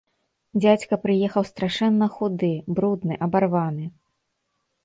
Дзядзька прыехаў страшэнна худы, брудны, абарваны.